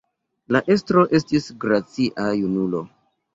La estro estis gracia junulo.